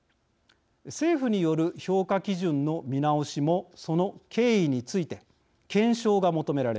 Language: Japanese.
政府による評価基準の見直しもその経緯について検証が求められます。